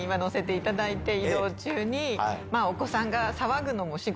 まぁお子さんが。